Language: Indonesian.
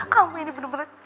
kamu ini bener bener gila